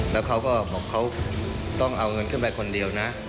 แล้วเขาก็บอกเขาต้องเอาเงินขึ้นไปคนเดียวนะ